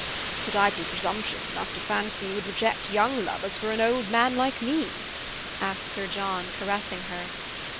Could I be presumptuous enough to fancy you would reject young lovers for an old man like me?" asked Sir John, caressing her.